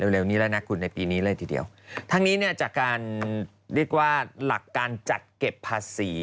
เร็วนี้แล้วนะคุณในปีนี้เลยทีเดียวทั้งนี้เนี่ยจากการเรียกว่าหลักการจัดเก็บภาษี